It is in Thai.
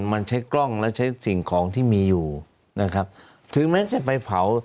มันใช้กล้องและใช้สิ่งของที่มีอยู่นะครับถึงแม้จะไปเผา